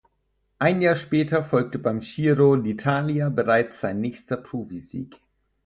Ein Jahr später folgte beim Giro d'Italia bereits sein nächster Profisieg.